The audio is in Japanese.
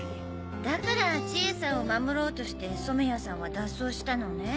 だから千絵さんを守ろうとして染谷さんは脱走したのね。